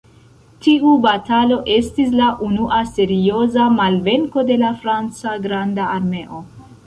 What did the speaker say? Tiu batalo estis la unua serioza malvenko de la franca "granda armeo".